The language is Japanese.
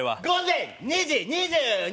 午前２時２２分。